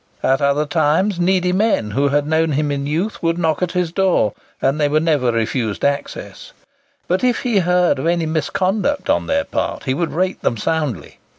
At other times, needy men who had known him in youth would knock at his door, and they were never refused access. But if he had heard of any misconduct on their part he would rate them soundly.